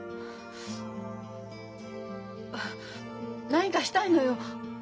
何かしたいのよ！